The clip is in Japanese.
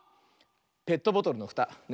「ペットボトルのふた」。